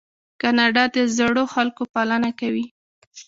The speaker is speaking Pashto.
کاناډا د زړو خلکو پالنه کوي.